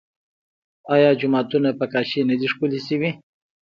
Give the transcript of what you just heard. آیا جوماتونه په کاشي نه دي ښکلي شوي؟